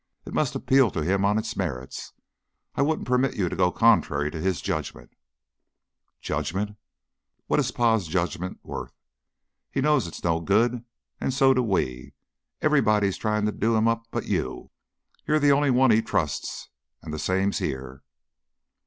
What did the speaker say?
"It must appeal to him on its merits. I wouldn't permit you to go contrary to his judgment." "Judgment? What's Pa's judgment worth? He knows it's no good, an' so do we. Everybody's tryin' to do him up but you; you're the only one he trusts. An' the same here.